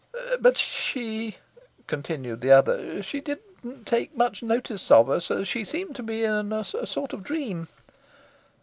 "But she well," continued the other, "she didn't take much notice of us. She seemed to be in a sort of dream."